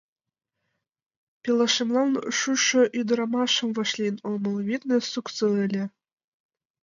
Пелашемлан шушо ӱдырамашым вашлийын омыл, витне, суксо ыле.